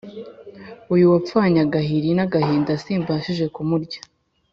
Uyu wapfanye agahiri n'agahinda, simbashije kumurya